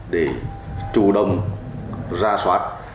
để chủ đồng ra soát